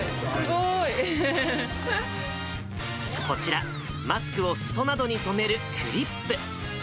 こちら、マスクをすそなどに留めるクリップ。